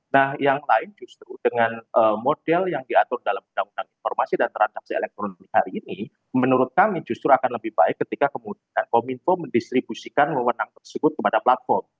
nah yang lain justru dengan model yang diatur dalam undang undang informasi dan transaksi elektronik hari ini menurut kami justru akan lebih baik ketika kemudian kominfo mendistribusikan mewenang tersebut kepada platform